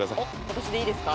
私でいいですか？